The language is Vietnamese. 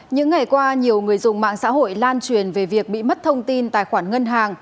những ngày qua nhiều người dùng mạng xã hội lan truyền về việc bị mất thông tin tài khoản ngân hàng